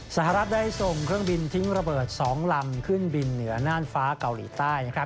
สหรัฐได้ส่งเครื่องบินทิ้งระเบิด๒ลำขึ้นบินเหนือน่านฟ้าเกาหลีใต้